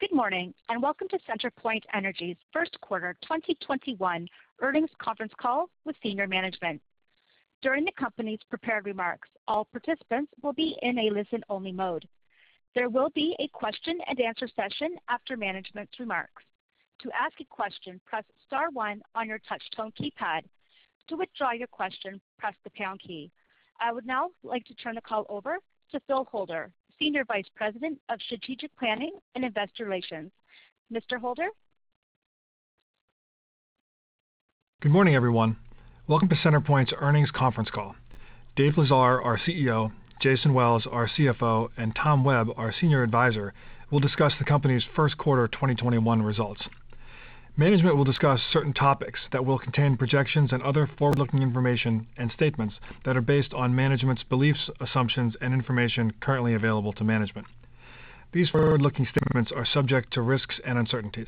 Good morning. Welcome to CenterPoint Energy's First Quarter 2021 Earnings Conference Call with Senior Management. During the company's prepared remarks, all participants will be in a listen-only mode. There will be a question and answer session after management's remarks. To ask a question, press star one on your touch-tone keypad. To withdraw your question, press the pound key. I would now like to turn the call over to Phil Holder, Senior Vice President of Strategic Planning and Investor Relations. Mr. Holder? Good morning, everyone. Welcome to CenterPoint's Earnings Conference Call. Dave Lesar, our CEO, Jason Wells, our CFO, and Tom Webb, our Senior Advisor, will discuss the company's first quarter 2021 results. Management will discuss certain topics that will contain projections and other forward-looking information and statements that are based on management's beliefs, assumptions, and information currently available to management. These forward-looking statements are subject to risks and uncertainties.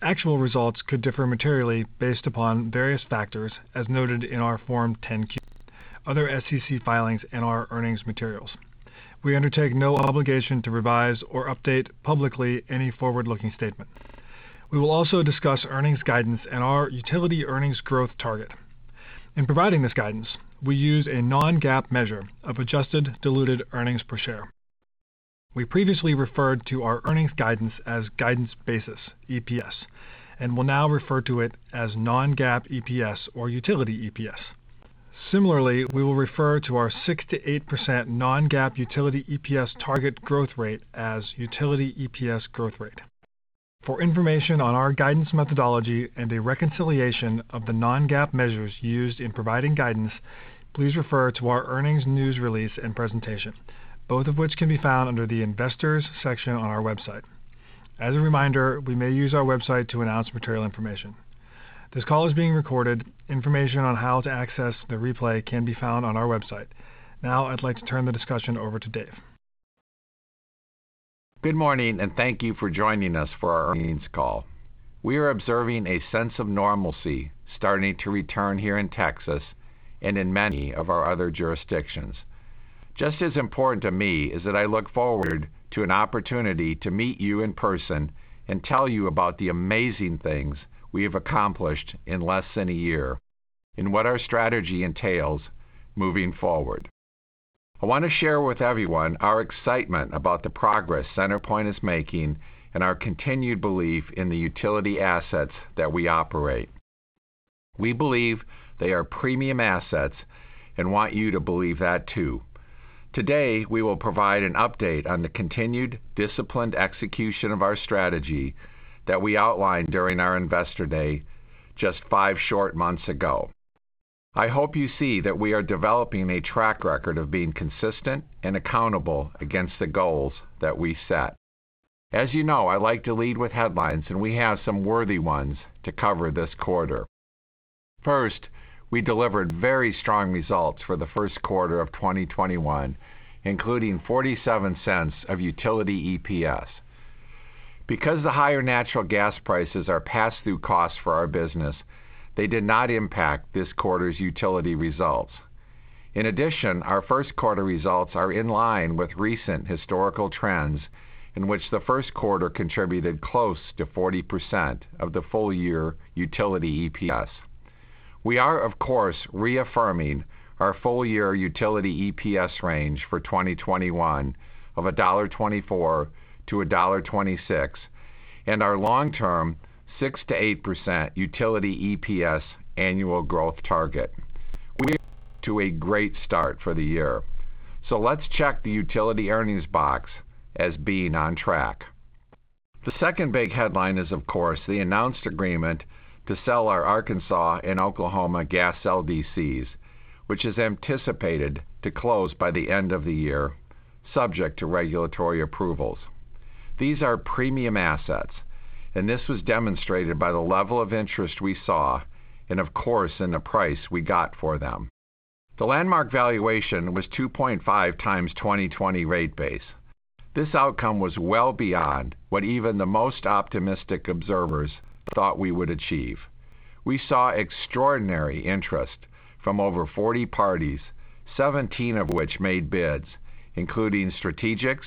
Actual results could differ materially based upon various factors as noted in our Form 10-Q, other SEC filings, and our earnings materials. We undertake no obligation to revise or update publicly any forward-looking statement. We will also discuss earnings guidance and our utility earnings growth target. In providing this guidance, we use a non-GAAP measure of adjusted diluted earnings per share. We previously referred to our earnings guidance as guidance basis EPS and will now refer to it as non-GAAP EPS or utility EPS. Similarly, we will refer to our 6%-8% non-GAAP utility EPS target growth rate as utility EPS growth rate. For information on our guidance methodology and a reconciliation of the non-GAAP measures used in providing guidance, please refer to our earnings news release and presentation, both of which can be found under the Investors section on our website. As a reminder, we may use our website to announce material information. This call is being recorded. Information on how to access the replay can be found on our website. Now I'd like to turn the discussion over to Dave. Good morning, and thank you for joining us for our earnings call. We are observing a sense of normalcy starting to return here in Texas and in many of our other jurisdictions. Just as important to me is that I look forward to an opportunity to meet you in person and tell you about the amazing things we have accomplished in less than a year and what our strategy entails moving forward. I want to share with everyone our excitement about the progress CenterPoint is making and our continued belief in the utility assets that we operate. We believe they are premium assets and want you to believe that too. Today, we will provide an update on the continued disciplined execution of our strategy that we outlined during our Investor Day just five short months ago. I hope you see that we are developing a track record of being consistent and accountable against the goals that we set. As you know, I like to lead with headlines, and we have some worthy ones to cover this quarter. First, we delivered very strong results for the first quarter of 2021, including $0.47 of utility EPS. Because the higher natural gas prices are pass-through costs for our business, they did not impact this quarter's utility results. In addition, our first quarter results are in line with recent historical trends in which the first quarter contributed close to 40% of the full year utility EPS. We are, of course, reaffirming our full-year utility EPS range for 2021 of $1.24-1.26 and our long-term 6%-8% utility EPS annual growth target. We're off to a great start for the year. Let's check the utility earnings box as being on track. The second big headline is, of course, the announced agreement to sell our Arkansas and Oklahoma Gas LDCs, which is anticipated to close by the end of the year, subject to regulatory approvals. These are premium assets, and this was demonstrated by the level of interest we saw and of course in the price we got for them. The landmark valuation was 2.5x 2020 rate base. This outcome was well beyond what even the most optimistic observers thought we would achieve. We saw extraordinary interest from over 40 parties, 17 of which made bids, including strategics,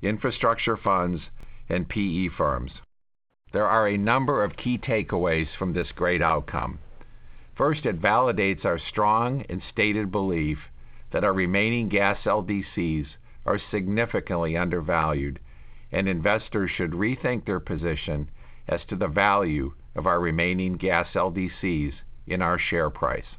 infrastructure funds, and PE firms. There are a number of key takeaways from this great outcome. First, it validates our strong and stated belief that our remaining Gas LDCs are significantly undervalued, and investors should rethink their position as to the value of our remaining Gas LDCs in our share price.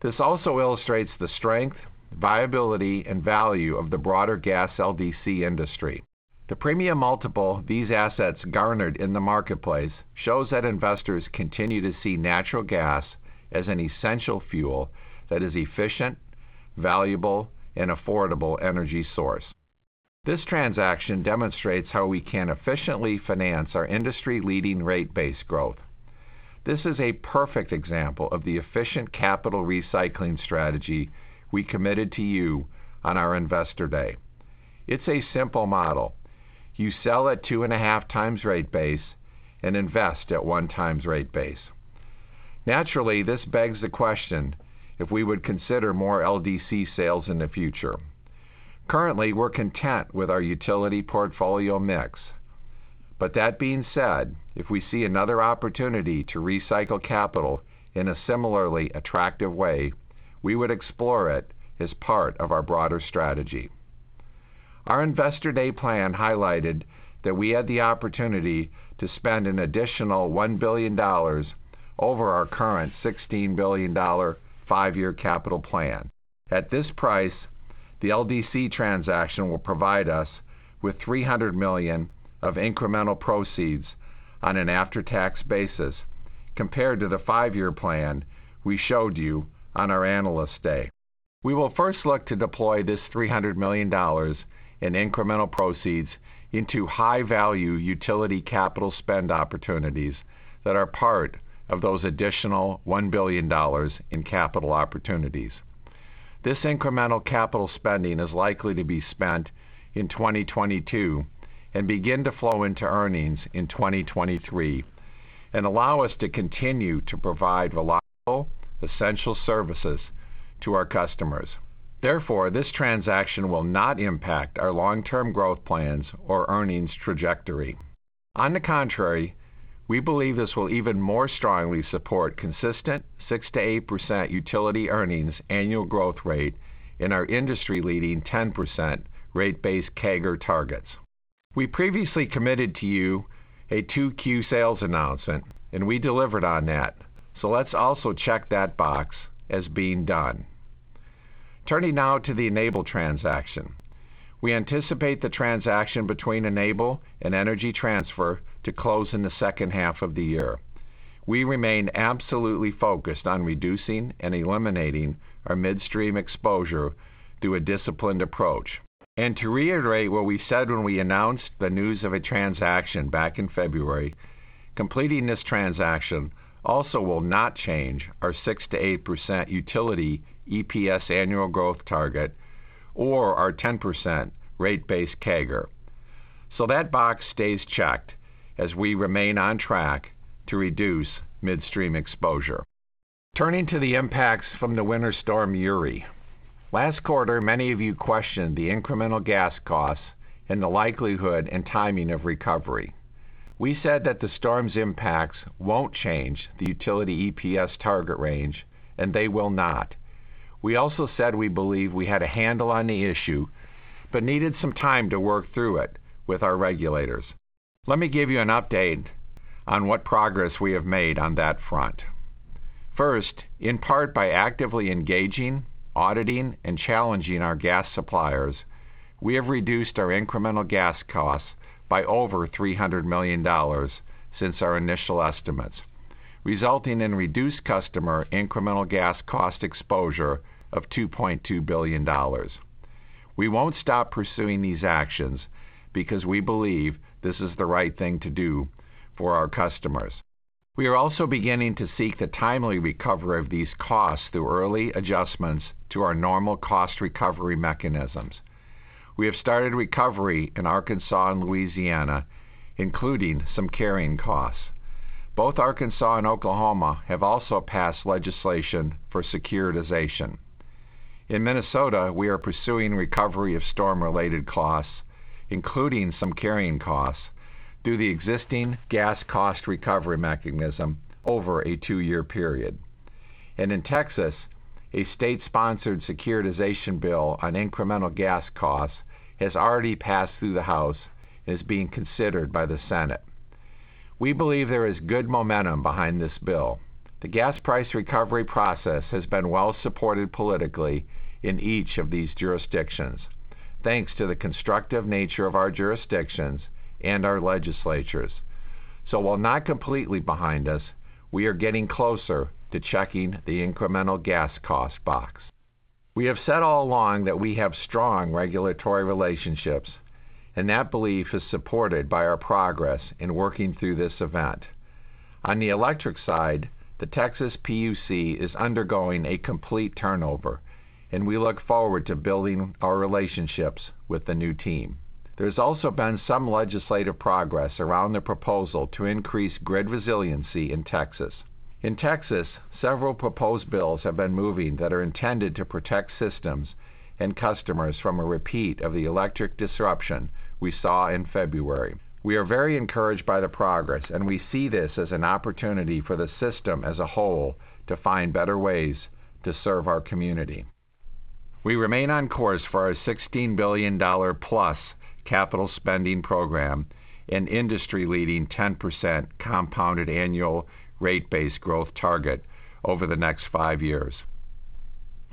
This also illustrates the strength, viability, and value of the broader Gas LDC industry. The premium multiple these assets garnered in the marketplace shows that investors continue to see natural gas as an essential fuel that is efficient, valuable, and affordable energy source. This transaction demonstrates how we can efficiently finance our industry-leading rate base growth. This is a perfect example of the efficient capital recycling strategy we committed to you on our Investor Day. It's a simple model. You sell at 2.5x rate base and invest at 1x rate base. Naturally, this begs the question if we would consider more LDC sales in the future. Currently, we're content with our utility portfolio mix. That being said, if we see another opportunity to recycle capital in a similarly attractive way, we would explore it as part of our broader strategy. Our Investor Day plan highlighted that we had the opportunity to spend an additional $1 billion over our current $16 billion five-year capital plan. At this price, the LDC transaction will provide us with $300 million of incremental proceeds on an after-tax basis, compared to the five-year plan we showed you on our Analyst Day. We will first look to deploy this $300 million in incremental proceeds into high-value utility capital spend opportunities that are part of those additional $1 billion in capital opportunities. This incremental capital spending is likely to be spent in 2022 and begin to flow into earnings in 2023 and allow us to continue to provide reliable, essential services to our customers. Therefore, this transaction will not impact our long-term growth plans or earnings trajectory. On the contrary, we believe this will even more strongly support consistent 6%-8% utility earnings annual growth rate in our industry-leading 10% rate base CAGR targets. We previously committed to you a 2Q sales announcement, and we delivered on that. Let's also check that box as being done. Turning now to the Enable transaction. We anticipate the transaction between Enable and Energy Transfer to close in the second half of the year. We remain absolutely focused on reducing and eliminating our midstream exposure through a disciplined approach. To reiterate what we said when we announced the news of a transaction back in February, completing this transaction also will not change our 6%-8% utility EPS annual growth target or our 10% rate base CAGR. That box stays checked as we remain on track to reduce midstream exposure. Turning to the impacts from the Winter Storm Uri. Last quarter, many of you questioned the incremental gas costs and the likelihood and timing of recovery. We said that the storm's impacts won't change the utility EPS target range, and they will not. We also said we believe we had a handle on the issue, but needed some time to work through it with our regulators. Let me give you an update on what progress we have made on that front. First, in part by actively engaging, auditing, and challenging our gas suppliers, we have reduced our incremental gas costs by over $300 million since our initial estimates, resulting in reduced customer incremental gas cost exposure of $2.2 billion. We won't stop pursuing these actions because we believe this is the right thing to do for our customers. We are also beginning to seek the timely recovery of these costs through early adjustments to our normal cost recovery mechanisms. We have started recovery in Arkansas and Louisiana, including some carrying costs. Both Arkansas and Oklahoma have also passed legislation for securitization. In Minnesota, we are pursuing recovery of storm-related costs, including some carrying costs, through the existing gas cost recovery mechanism over a two-year period. And in Texas, a state-sponsored securitization bill on incremental gas costs has already passed through the House and is being considered by the Senate. We believe there is good momentum behind this bill. The gas price recovery process has been well-supported politically in each of these jurisdictions, thanks to the constructive nature of our jurisdictions and our legislatures. So, while not completely behind us, we are getting closer to checking the incremental gas cost box. We have said all along that we have strong regulatory relationships, and that belief is supported by our progress in working through this event. On the electric side, the Texas PUC is undergoing a complete turnover, and we look forward to building our relationships with the new team. There's also been some legislative progress around the proposal to increase grid resiliency in Texas. In Texas, several proposed bills have been moving that are intended to protect systems and customers from a repeat of the electric disruption we saw in February. We are very encouraged by the progress, and we see this as an opportunity for the system as a whole to find better ways to serve our community. We remain on course for our $16 billion-plus capital spending program and industry-leading 10% compounded annual rate base growth target over the next five years.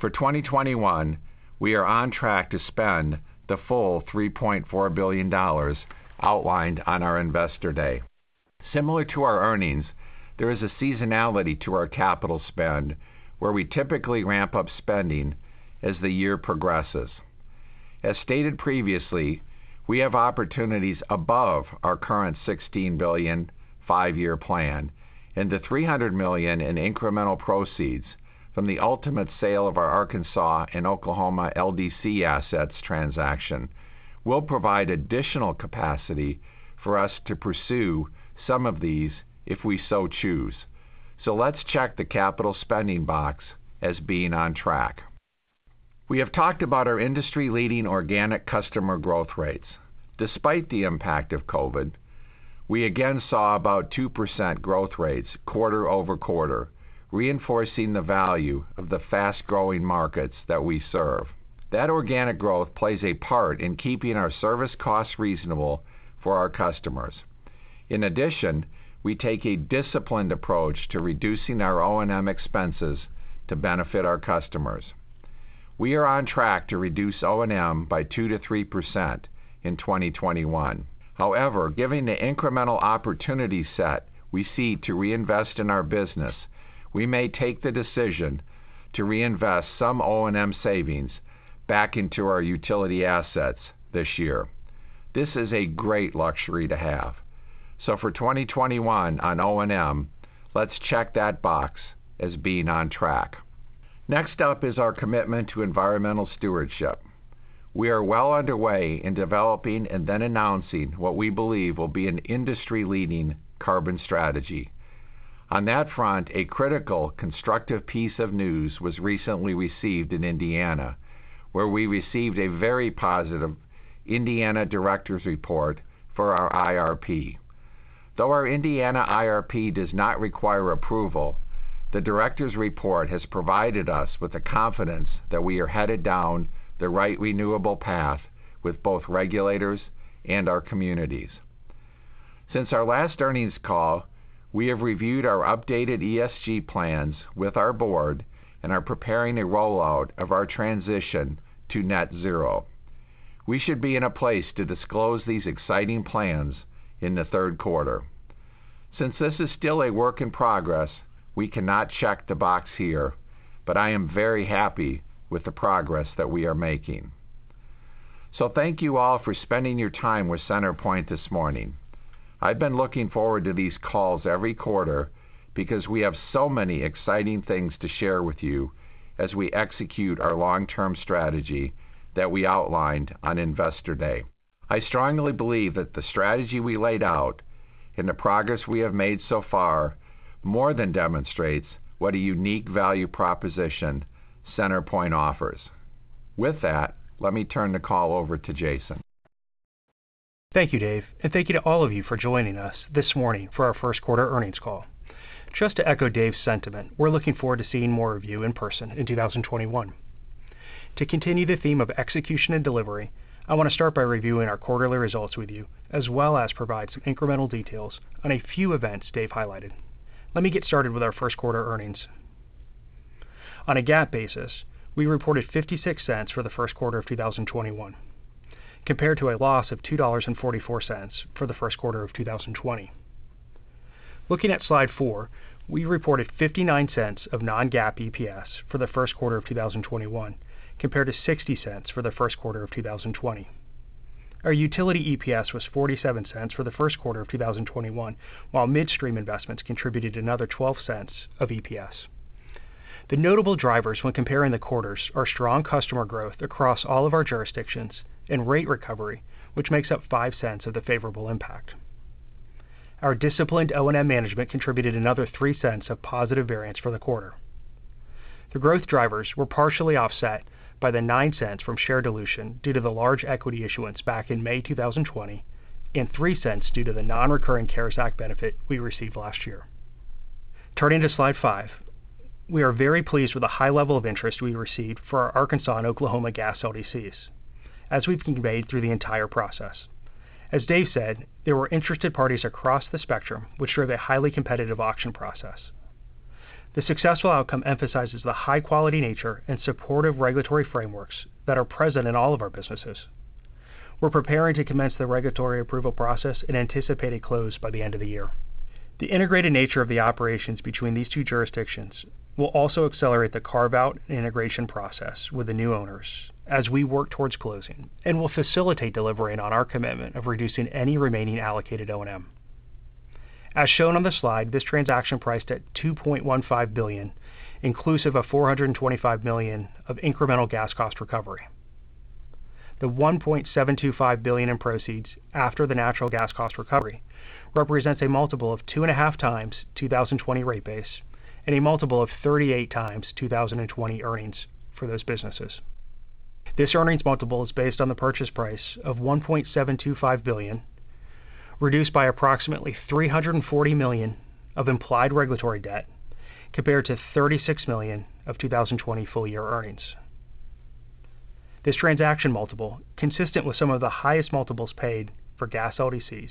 For 2021, we are on track to spend the full $3.4 billion outlined on our Investor Day. Similar to our earnings, there is a seasonality to our capital spend where we typically ramp up spending as the year progresses. As stated previously, we have opportunities above our current $16 billion five-year plan, and the $300 million in incremental proceeds from the ultimate sale of our Arkansas and Oklahoma LDC assets transaction will provide additional capacity for us to pursue some of these if we so choose. Let's check the capital spending box as being on track. We have talked about our industry-leading organic customer growth rates. Despite the impact of COVID, we again saw about 2% growth rates quarter-over-quarter, reinforcing the value of the fast-growing markets that we serve. That organic growth plays a part in keeping our service costs reasonable for our customers. In addition, we take a disciplined approach to reducing our O&M expenses to benefit our customers. We are on track to reduce O&M by 2%-3% in 2021. However, given the incremental opportunity set we see to reinvest in our business, we may take the decision to reinvest some O&M savings back into our utility assets this year. This is a great luxury to have. For 2021 on O&M, let's check that box as being on track. Next up is our commitment to environmental stewardship. We are well underway in developing and then announcing what we believe will be an industry-leading carbon strategy. On that front, a critical constructive piece of news was recently received in Indiana, where we received a very positive Indiana Director's Report for our IRP. Though our Indiana IRP does not require approval, the Director's Report has provided us with the confidence that we are headed down the right renewable path with both regulators and our communities. Since our last earnings call, we have reviewed our updated ESG plans with our board and are preparing a rollout of our transition to net zero. We should be in a place to disclose these exciting plans in the third quarter. Since this is still a work in progress, we cannot check the box here, but I am very happy with the progress that we are making. Thank you all for spending your time with CenterPoint this morning. I've been looking forward to these calls every quarter because we have so many exciting things to share with you as we execute our long-term strategy that we outlined on Investor Day. I strongly believe that the strategy we laid out and the progress we have made so far more than demonstrates what a unique value proposition CenterPoint offers. With that, let me turn the call over to Jason. Thank you, Dave, and thank you to all of you for joining us this morning for our first quarter earnings call. Just to echo Dave's sentiment, we're looking forward to seeing more of you in person in 2021. To continue the theme of execution and delivery, I want to start by reviewing our quarterly results with you, as well as provide some incremental details on a few events Dave highlighted. Let me get started with our first quarter earnings. On a GAAP basis, we reported $0.56 for the first quarter of 2021, compared to a loss of $2.44 for the first quarter of 2020. Looking at Slide four, we reported $0.59 of non-GAAP EPS for the first quarter of 2021, compared to $0.60 for the first quarter of 2020. Our utility EPS was $0.47 for the first quarter of 2021, while midstream investments contributed another $0.12 of EPS. The notable drivers when comparing the quarters are strong customer growth across all of our jurisdictions and rate recovery, which makes up $0.05 of the favorable impact. Our disciplined O&M management contributed another $0.03 of positive variance for the quarter. The growth drivers were partially offset by the $0.09 from share dilution due to the large equity issuance back in May 2020 and $0.03 due to the non-recurring CARES Act benefit we received last year. Turning to Slide five, we are very pleased with the high level of interest we received for our Arkansas and Oklahoma Gas LDCs, as we've conveyed through the entire process. As Dave said, there were interested parties across the spectrum, which drove a highly competitive auction process. The successful outcome emphasizes the high-quality nature and supportive regulatory frameworks that are present in all of our businesses. We're preparing to commence the regulatory approval process and anticipate a close by the end of the year. The integrated nature of the operations between these two jurisdictions will also accelerate the carve-out and integration process with the new owners as we work towards closing and will facilitate delivering on our commitment of reducing any remaining allocated O&M. As shown on the slide, this transaction priced at $2.15 billion, inclusive of 425 million of incremental gas cost recovery. The $1.725 billion in proceeds after the natural gas cost recovery represents a multiple of 2.5x 2020 rate base and a multiple of 38x 2020 earnings for those businesses. This earnings multiple is based on the purchase price of $1.725 billion, reduced by approximately $340 million of implied regulatory debt, compared to $36 million of 2020 full-year earnings. This transaction multiple, consistent with some of the highest multiples paid for Gas LDCs,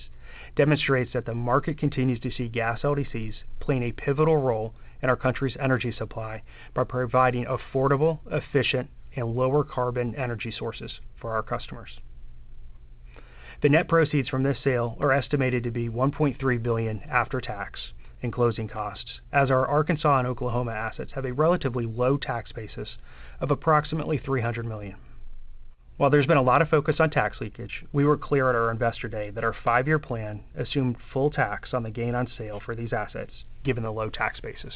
demonstrates that the market continues to see Gas LDCs playing a pivotal role in our country's energy supply by providing affordable, efficient, and lower carbon energy sources for our customers. The net proceeds from this sale are estimated to be $1.3 billion after tax and closing costs, as our Arkansas and Oklahoma assets have a relatively low tax basis of approximately $300 million. While there's been a lot of focus on tax leakage, we were clear at our Investor Day that our five-year plan assumed full tax on the gain on sale for these assets, given the low tax basis.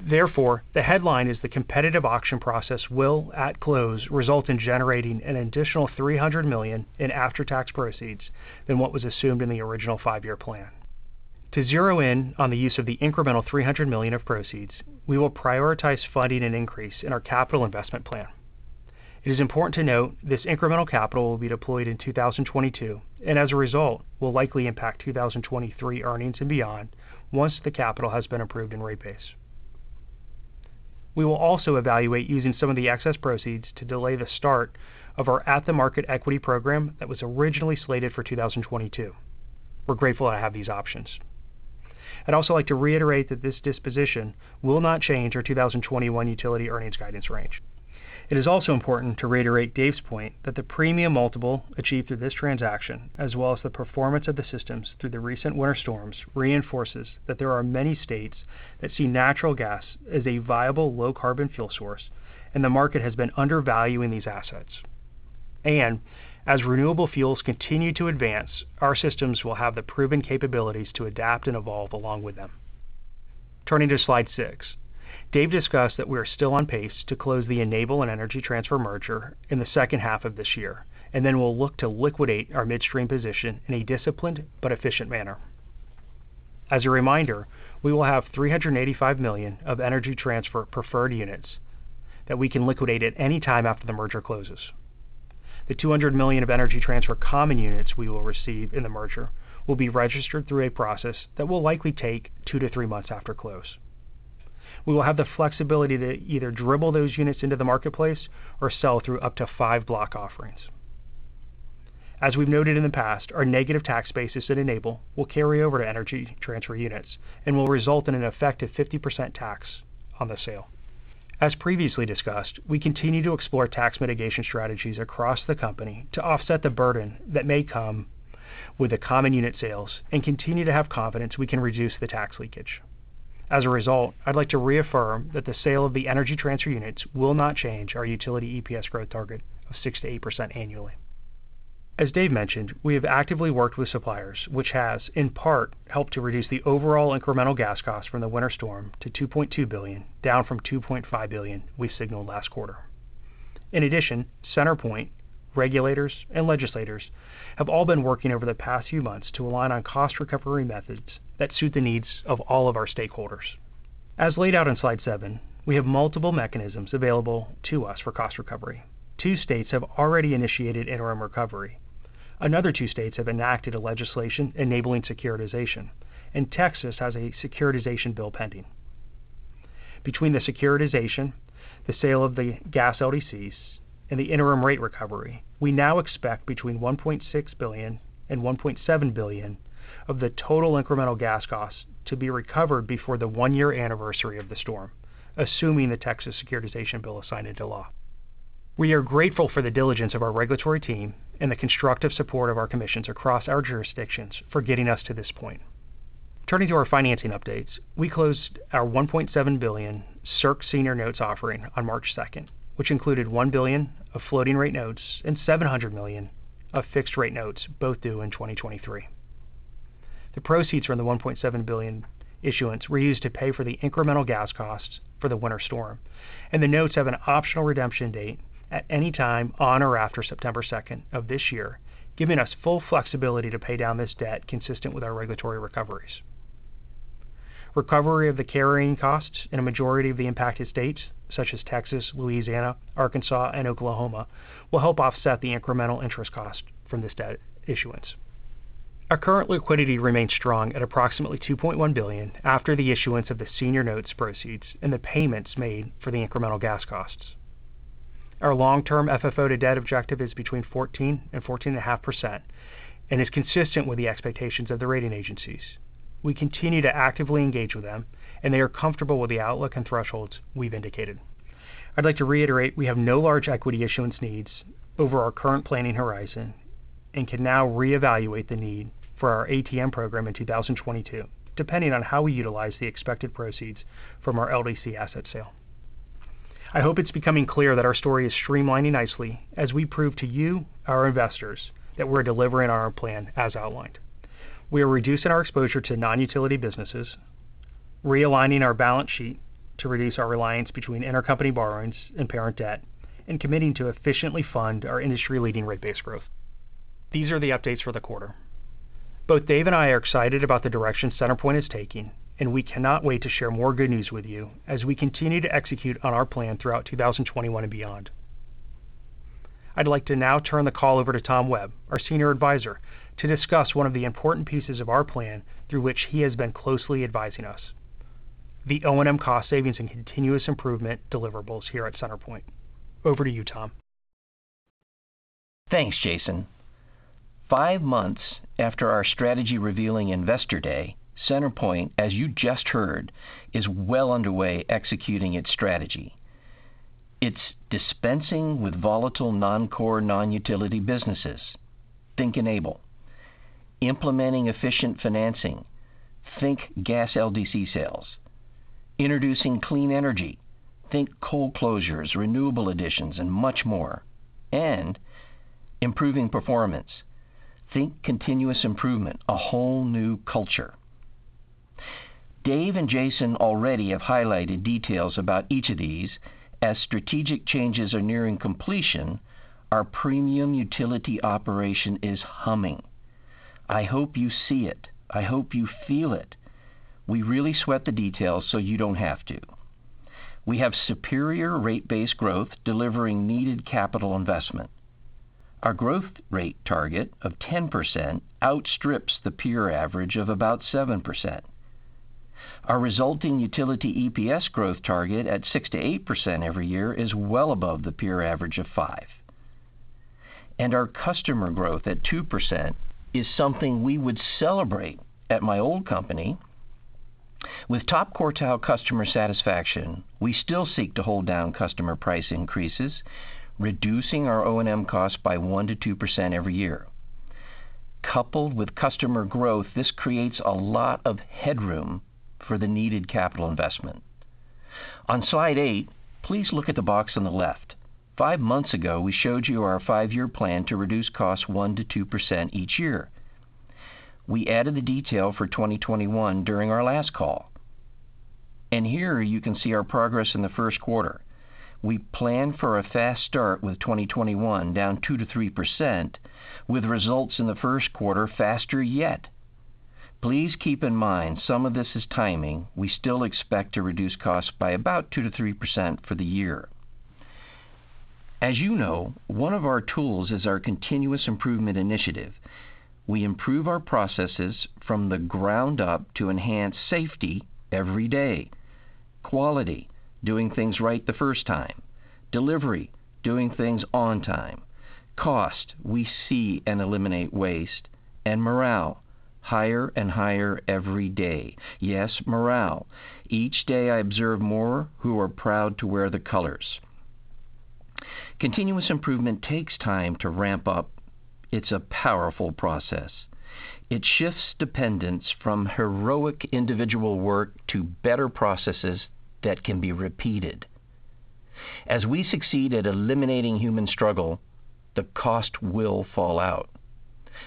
The headline is the competitive auction process will, at close, result in generating an additional $300 million in after-tax proceeds than what was assumed in the original five-year plan. To zero in on the use of the incremental $300 million of proceeds, we will prioritize funding an increase in our capital investment plan. It is important to note this incremental capital will be deployed in 2022, and as a result, will likely impact 2023 earnings and beyond once the capital has been approved and rate based. We will also evaluate using some of the excess proceeds to delay the start of our at-the-market equity program that was originally slated for 2022. We're grateful to have these options. I'd also like to reiterate that this disposition will not change our 2021 utility earnings guidance range. It is also important to reiterate Dave's point that the premium multiple achieved through this transaction, as well as the performance of the systems through the recent winter storms, reinforces that there are many states that see natural gas as a viable low-carbon fuel source, and the market has been undervaluing these assets. And, as renewable fuels continue to advance, our systems will have the proven capabilities to adapt and evolve along with them. Turning to slide six. Dave discussed that we are still on pace to close the Enable Energy Transfer Merger in the second half of this year, and then we'll look to liquidate our midstream position in a disciplined but efficient manner. As a reminder, we will have $385 million of Energy Transfer preferred units that we can liquidate at any time after the merger closes. The $200 million of Energy Transfer common units we will receive in the merger will be registered through a process that will likely take two to three months after close. We will have the flexibility to either dribble those units into the marketplace or sell through up to five block offerings. As we've noted in the past, our negative tax basis at Enable will carry over to Energy Transfer units and will result in an effective 50% tax on the sale. As previously discussed, we continue to explore tax mitigation strategies across the company to offset the burden that may come with the common unit sales and continue to have confidence we can reduce the tax leakage. As a result, I'd like to reaffirm that the sale of the Energy Transfer units will not change our utility EPS growth target of 6%-8% annually. As Dave mentioned, we have actively worked with suppliers, which has, in part, helped to reduce the overall incremental gas cost from the winter storm to $2.2 billion, down from 2.5 billion we signaled last quarter. In addition, CenterPoint, regulators, and legislators have all been working over the past few months to align on cost recovery methods that suit the needs of all of our stakeholders. As laid out in slide seven, we have multiple mechanisms available to us for cost recovery. Two states have already initiated interim recovery. Another two states have enacted a legislation enabling securitization, and Texas has a securitization bill pending. Between the securitization, the sale of the Gas LDCs, and the interim rate recovery, we now expect between $1.6 billion and 1.7 billion of the total incremental gas costs to be recovered before the one-year anniversary of the winter storm, assuming the Texas securitization bill is signed into law. We are grateful for the diligence of our regulatory team and the constructive support of our commissions across our jurisdictions for getting us to this point. Turning to our financing updates, we closed our $1.7 billion CERC senior notes offering on March 2nd, which included $1 billion of floating rate notes and $700 million of fixed rate notes, both due in 2023. The proceeds from the $1.7 billion issuance were used to pay for the incremental gas costs for the winter storm, and the notes have an optional redemption date at any time on or after September 2nd of this year, giving us full flexibility to pay down this debt consistent with our regulatory recoveries. Recovery of the carrying costs in a majority of the impacted states, such as Texas, Louisiana, Arkansas, and Oklahoma, will help offset the incremental interest cost from this debt issuance. Our current liquidity remains strong at approximately $2.1 billion after the issuance of the senior notes proceeds and the payments made for the incremental gas costs. Our long-term FFO to debt objective is between 14% and 14.5%, and is consistent with the expectations of the rating agencies. We continue to actively engage with them, and they are comfortable with the outlook and thresholds we've indicated. I'd like to reiterate we have no large equity issuance needs over our current planning horizon and can now reevaluate the need for our ATM program in 2022, depending on how we utilize the expected proceeds from our LDC asset sale. I hope it's becoming clear that our story is streamlining nicely as we prove to you, our investors, that we're delivering on our plan as outlined. We are reducing our exposure to non-utility businesses, realigning our balance sheet to reduce our reliance between intercompany borrowings and parent debt, and committing to efficiently fund our industry-leading rate base growth. These are the updates for the quarter. Both Dave and I are excited about the direction CenterPoint is taking, and we cannot wait to share more good news with you as we continue to execute on our plan throughout 2021 and beyond. I'd like to now turn the call over to Tom Webb, our Senior Advisor, to discuss one of the important pieces of our plan through which he has been closely advising us, the O&M cost savings and continuous improvement deliverables here at CenterPoint. Over to you, Tom. Thanks, Jason. Five months after our strategy revealing Investor Day, CenterPoint, as you just heard, is well underway executing its strategy. It's dispensing with volatile non-core, non-utility businesses, think Enable. Implementing efficient financing, think Gas LDC sales. Introducing clean energy. Think coal closures, renewable additions, and much more, and, improving performance. Think continuous improvement, a whole new culture. Dave and Jason already have highlighted details about each of these. As strategic changes are nearing completion, our premium utility operation is humming. I hope you see it. I hope you feel it. We really sweat the details so you don't have to. We have superior rate base growth delivering needed capital investment. Our growth rate target of 10% outstrips the peer average of about 7%. Our resulting Utility EPS growth target at 6%-8% every year is well above the peer average of 5%. Our customer growth at 2% is something we would celebrate at my old company. With top quartile customer satisfaction, we still seek to hold down customer price increases, reducing our O&M costs by 1%-2% every year. Coupled with customer growth, this creates a lot of headroom for the needed capital investment. On slide eight, please look at the box on the left. Five months ago, we showed you our five-year plan to reduce costs 1%-2% each year. We added the detail for 2021 during our last call. Here you can see our progress in the first quarter. We plan for a fast start with 2021 down 2%-3% with results in the first quarter faster yet. Please keep in mind, some of this is timing. We still expect to reduce costs by about 2%-3% for the year. As you know, one of our tools is our continuous improvement initiative. We improve our processes from the ground up to enhance safety every day, quality, doing things right the first time, delivery, doing things on time, cost, we see and eliminate waste, and morale, higher and higher every day. Yes, morale. Each day I observe more who are proud to wear the colors. Continuous improvement takes time to ramp up. It's a powerful process. It shifts dependence from heroic individual work to better processes that can be repeated. As we succeed at eliminating human struggle, the cost will fall out.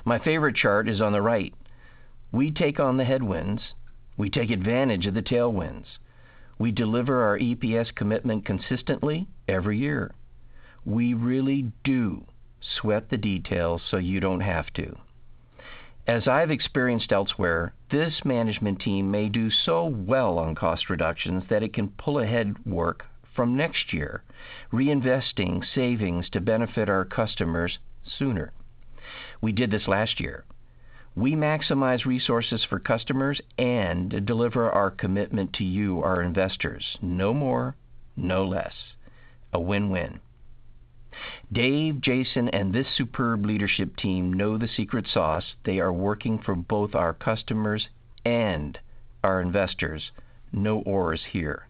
My favorite chart is on the right. We take on the headwinds. We take advantage of the tailwinds. We deliver our EPS commitment consistently every year. We really do sweat the details so you don't have to. As I've experienced elsewhere, this management team may do so well on cost reductions that it can pull ahead work from next year, reinvesting savings to benefit our customers sooner. We did this last year. We maximize resources for customers and deliver our commitment to you, our investors. No more, no less. A win-win. Dave, Jason, and this superb leadership team know the secret sauce. They are working for both our customers and our investors. No oars here.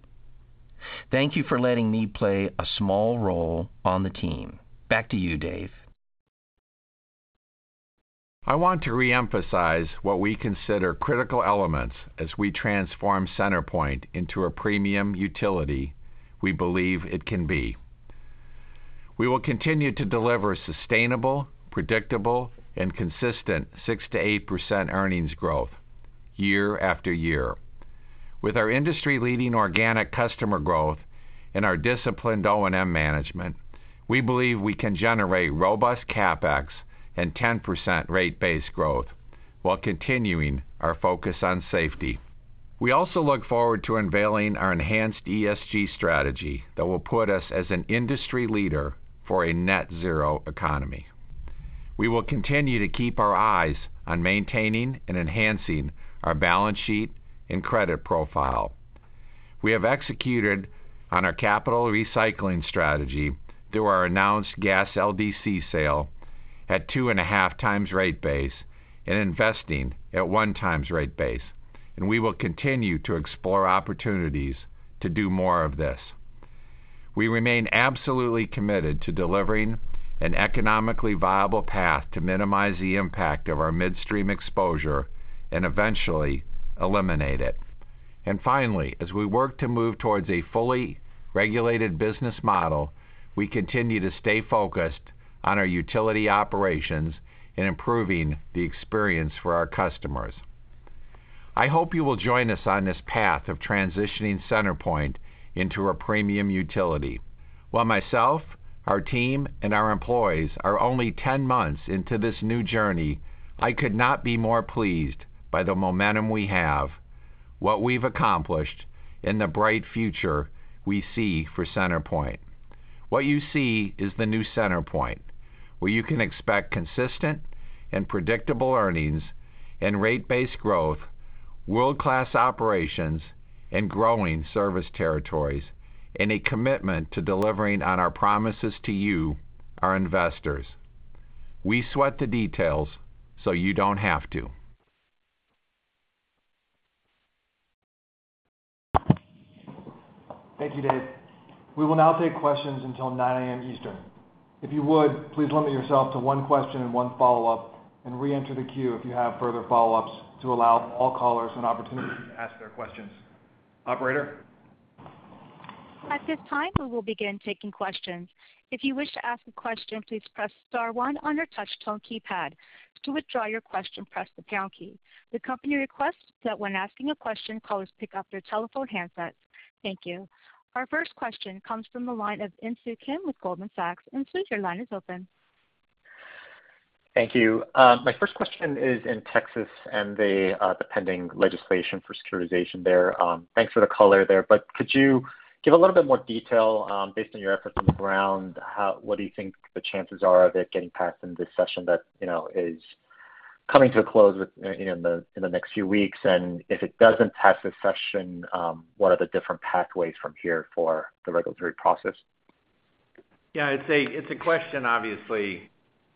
Thank you for letting me play a small role on the team. Back to you, Dave. I want to reemphasize what we consider critical elements as we transform CenterPoint into a premium utility we believe it can be. We will continue to deliver sustainable, predictable, and consistent 6%-8% earnings growth year-after-year. With our industry-leading organic customer growth and our disciplined O&M management, we believe we can generate robust CapEx and 10% rate base growth while continuing our focus on safety. We also look forward to unveiling our enhanced ESG strategy that will put us as an industry leader for a net zero economy. We will continue to keep our eyes on maintaining and enhancing our balance sheet and credit profile. We have executed on our capital recycling strategy through our announced Gas LDC sale at 2.5x rate base and investing at 1x rate base, and we will continue to explore opportunities to do more of this. We remain absolutely committed to delivering an economically viable path to minimize the impact of our midstream exposure and eventually eliminate it. And finally, as we work to move towards a fully regulated business model, we continue to stay focused on our utility operations and improving the experience for our customers. I hope you will join us on this path of transitioning CenterPoint into a premium utility. While myself, our team, and our employees are only 10 months into this new journey, I could not be more pleased by the momentum we have, what we've accomplished, and the bright future we see for CenterPoint. What you see is the new CenterPoint, where you can expect consistent and predictable earnings and rate base growth, world-class operations and growing service territories, and a commitment to delivering on our promises to you, our investors. We sweat the details so you don't have to. Thank you, Dave. We will now take questions until 9:00 A.M. Eastern. If you would, please limit yourself to one question and one follow-up and re-enter the queue if you have further follow-ups to allow all callers an opportunity to ask their questions. Operator? At this time, we will begin taking questions. If you wish to ask a question, please press star one on your touch-tone keypad. To withdraw your question, press the pound key. The company requests that when asking a question, callers pick up their telephone handsets. Thank you. Our first question comes from the line of Insoo Kim with Goldman Sachs. Insoo, your line is open. Thank you. My first question is in Texas and the pending legislation for securitization there. Thanks for the color there, could you give a little bit more detail, based on your efforts on the ground, what do you think the chances are of it getting passed in this session that is coming to a close within the next few weeks? If it doesn't pass this session, what are the different pathways from here for the regulatory process? Yeah. It's a question, obviously,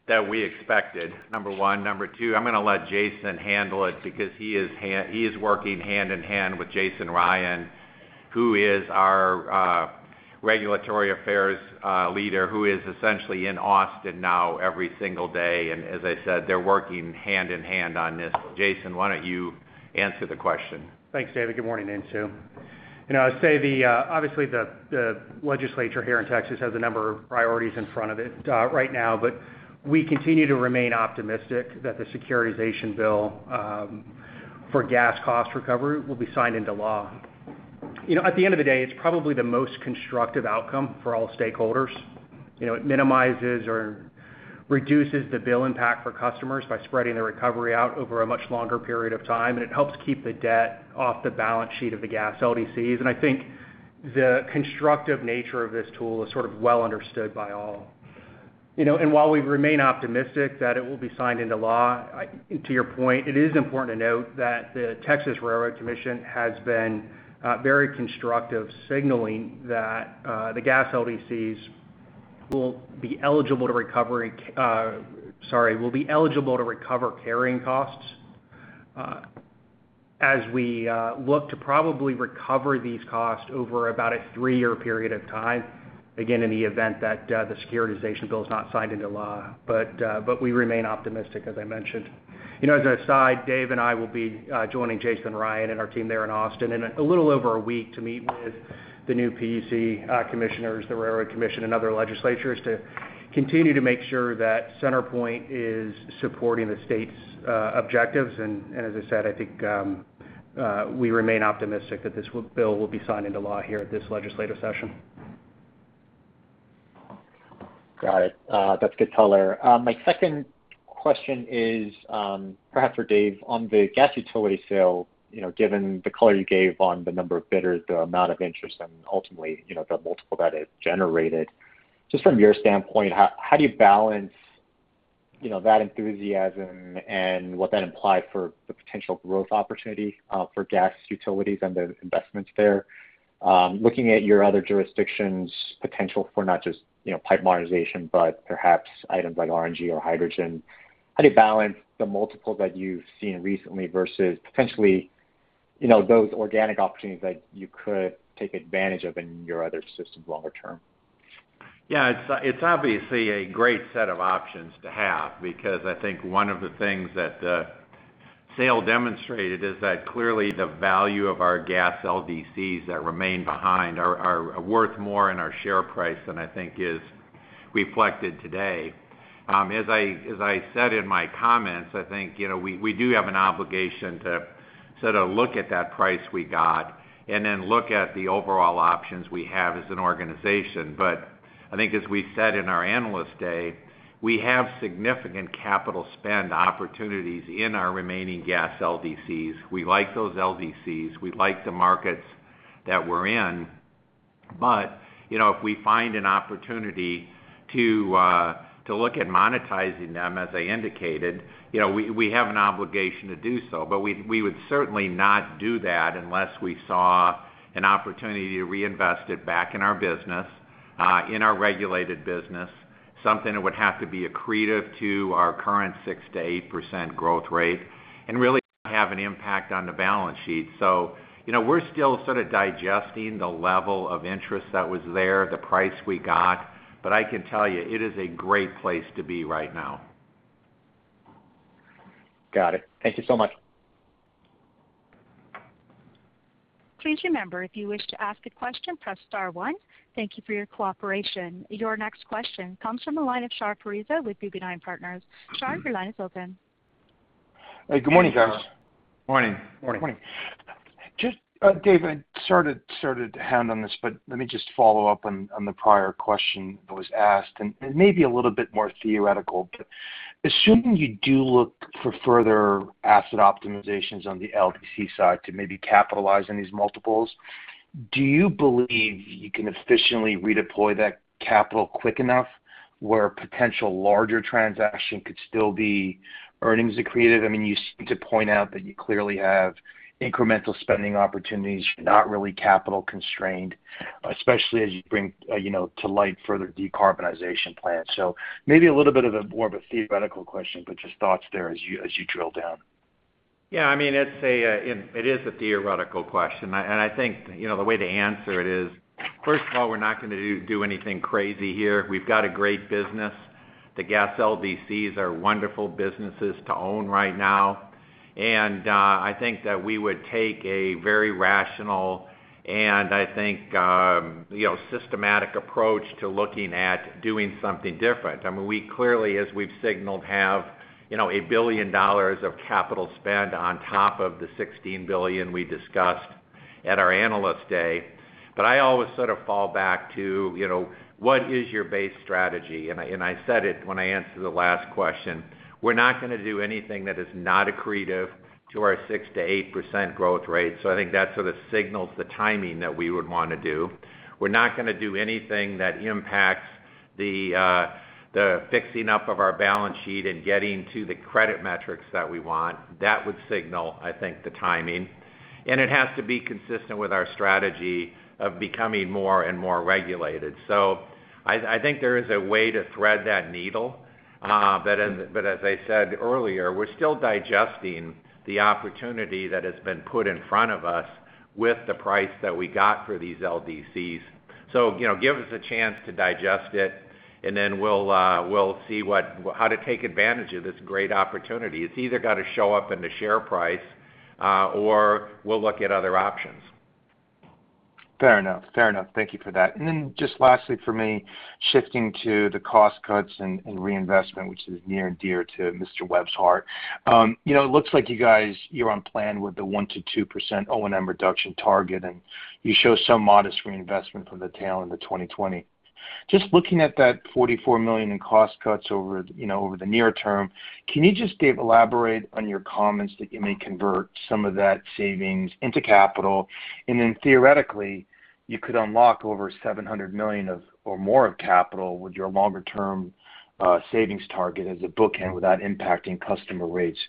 that we expected, number one. Number two, I'm going to let Jason handle it because he is working hand-in-hand with Jason Ryan, who is our Regulatory Affairs leader, who is essentially in Austin now every single day. And as I said, they're working hand-in-hand on this. Jason, why don't you answer the question? Thanks, David. Good morning, Insoo. You know, I would say, obviously the legislature here in Texas has a number of priorities in front of it right now, but we continue to remain optimistic that the securitization bill for gas cost recovery will be signed into law. At the end of the day, it's probably the most constructive outcome for all stakeholders. It minimizes or reduces the bill impact for customers by spreading the recovery out over a much longer period of time, and it helps keep the debt off the balance sheet of the Gas LDCs. I think the constructive nature of this tool is sort of well understood by all. You know, and while we remain optimistic that it will be signed into law, to your point, it is important to note that the Railroad Commission of Texas has been very constructive, signaling that the Gas LDCs will be eligible to recovery, sorry, will eligible to recover carrying costs as we look to probably recover these costs over about a three-year period of time, again, in the event that the securitization bill is not signed into law. We remain optimistic, as I mentioned. You know, as an aside, Dave and I will be joining Jason Ryan and our team there in Austin in a little over a week to meet with the new PUC commissioners, the Railroad Commission of Texas, and other legislatures to continue to make sure that CenterPoint is supporting the state's objectives. As I said, I think we remain optimistic that this bill will be signed into law here at this legislative session. Got it. That's good color. My second question is perhaps for Dave on the gas utility sale. Given the color you gave on the number of bidders, the amount of interest, and ultimately the multiple that it generated. Just from your standpoint, how do you balance that enthusiasm and what that implied for the potential growth opportunity for gas utilities and the investments there? Looking at your other jurisdiction's potential for not just pipe modernization, but perhaps items like RNG or hydrogen, how do you balance the multiples that you've seen recently versus potentially those organic opportunities that you could take advantage of in your other systems longer term? Yeah. It's obviously a great set of options to have because I think one of the things that the sale demonstrated is that clearly the value of our Gas LDCs that remain behind are worth more in our share price than I think is reflected today. As I said in my comments, I think we do have an obligation to sort of look at that price we got and then look at the overall options we have as an organization. But, I think as we said in our Analyst Day, we have significant capital spend opportunities in our remaining Gas LDCs. We like those LDCs. We like the markets that we're in. If we find an opportunity to look at monetizing them, as I indicated, we have an obligation to do so. We would certainly not do that unless we saw an opportunity to reinvest it back in our business, in our regulated business. Something that would have to be accretive to our current 6%-8% growth rate and really have an impact on the balance sheet. We're still sort of digesting the level of interest that was there, the price we got, but I can tell you, it is a great place to be right now. Got it. Thank you so much. Please remember, if you wish to ask a question, press star one. Thank you for your cooperation. Your next question comes from the line of Shar Pourreza with Guggenheim Partners. Shar, your line is open. Hey, good morning, guys. Morning. Morning. Morning. Just, Dave started to hand on this, let me just follow up on the prior question that was asked, and it may be a little bit more theoretical. Assuming you do look for further asset optimizations on the LDC side to maybe capitalize on these multiples, do you believe you can efficiently redeploy that capital quick enough where a potential larger transaction could still be earnings accretive? You seem to point out that you clearly have incremental spending opportunities, you're not really capital constrained, especially as you bring to light further decarbonization plans. Maybe a little bit of a more of a theoretical question, but just thoughts there as you drill down. Yeah, I mean, it is a theoretical question. I think the way to answer it is, first of all, we're not going to do anything crazy here. We've got a great business. The Gas LDCs are wonderful businesses to own right now. I think that we would take a very rational, and I think, systematic approach to looking at doing something different. We clearly, as we've signaled, have, you know, $1 billion of capital spend on top of the $16 billion we discussed at our Analyst Day. But I always sort of fall back to, what is your base strategy? And I said it when I answered the last question. We're not going to do anything that is not accretive to our 6%-8% growth rate. I think that sort of signals the timing that we would want to do. We're not going to do anything that impacts the fixing up of our balance sheet and getting to the credit metrics that we want. That would signal, I think, the timing. And it has to be consistent with our strategy of becoming more and more regulated. So, I think there is a way to thread that needle. But as I said earlier, we're still digesting the opportunity that has been put in front of us with the price that we got for these LDCs. Give us a chance to digest it, we'll see how to take advantage of this great opportunity. It's either got to show up in the share price, or we'll look at other options. Fair enough. Thank you for that. Lastly for me, shifting to the cost cuts and reinvestment, which is near and dear to Mr. Webb's heart. It looks like you guys, you're on plan with the 1%-2% O&M reduction target, and you show some modest reinvestment from the tail into 2020. Just looking at that $44 million in cost cuts over the near term, can you just elaborate on your comments that you may convert some of that savings into capital, and then theoretically, you could unlock over $700 million or more of capital with your longer-term savings target as a bookend without impacting customer rates?